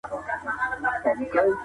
په داسي وخت کي بايد انسان صبر ولري.